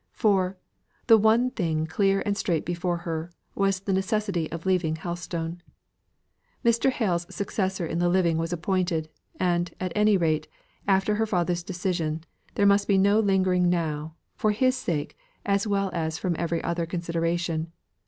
For, the one thing clear and straight before her, was the necessity for leaving Helstone. Mr. Hale's successor in the living was appointed; and, at any rate, after her father's decision, there must be no lingering now, for his sake, as well as from every other consideration.